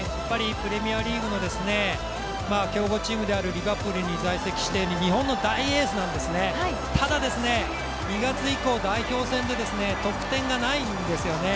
プレミアリーグの強豪チームであるリヴァプールに在籍して日本の大エースなんですね、ただ２月以降、代表戦で得点がないんですよね。